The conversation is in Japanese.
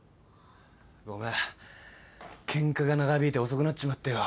ごめんケンカが長引いて遅くなっちまってよ。